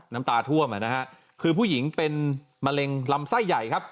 น้ำตาท่วมอ่ะนะฮะคือผู้หญิงเป็นมะเร็งลำไส้ใหญ่ครับ